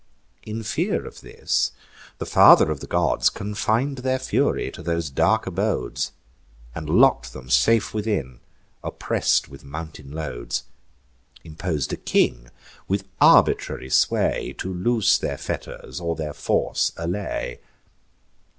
In fear of this, the Father of the Gods Confin'd their fury to those dark abodes, And lock'd 'em safe within, oppress'd with mountain loads; Impos'd a king, with arbitrary sway, To loose their fetters, or their force allay.